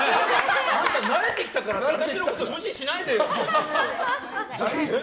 あんた慣れてきたからって私のこと無視しないでよって。